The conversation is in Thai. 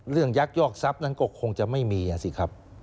ยักยอกทรัพย์นั้นก็คงจะไม่มีสิครับ